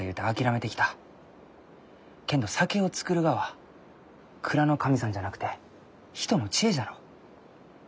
けんど酒を造るがは蔵の神さんじゃなくて人の知恵じゃろう？